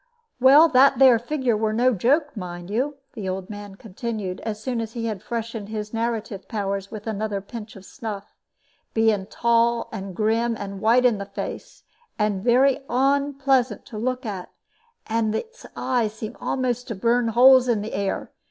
"Well, that there figure were no joke, mind you," the old man continued, as soon as he had freshened his narrative powers with another pinch of snuff, "being tall and grim, and white in the face, and very onpleasant for to look at, and its eyes seemed a'most to burn holes in the air.